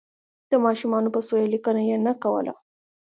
د ماشومانو په سویه لیکنه یې نه کوله.